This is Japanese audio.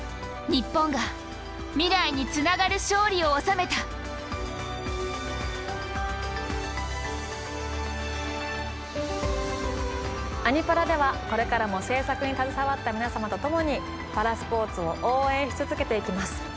日本が未来につながる勝利を収めた「アニ×パラ」ではこれからも制作に携わった皆様と共にパラスポーツを応援し続けていきます。